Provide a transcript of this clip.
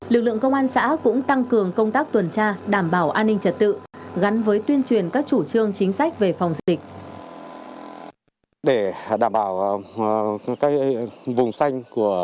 lực lượng công an xã cũng tăng cường công tác tuần tra đảm bảo an ninh trật tự gắn với tuyên truyền các chủ trương chính sách về phòng dịch